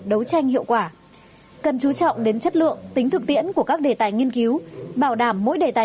đấu tranh hiệu quả cần chú trọng đến chất lượng tính thực tiễn của các đề tài nghiên cứu bảo đảm mỗi đề tài